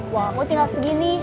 wah aku tinggal segini